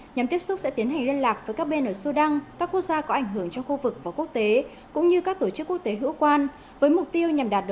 nhằm tiếp xúc sẽ tiến hành liên lạc với các bên ở sudan các quốc gia có ảnh hưởng cho khu vực và quốc tế